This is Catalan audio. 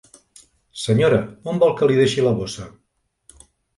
Senyora, on vol que li deixi la bossa?